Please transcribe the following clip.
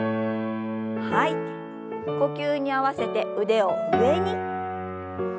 呼吸に合わせて腕を上に。